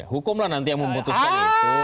hukum lah nanti yang memutuskan itu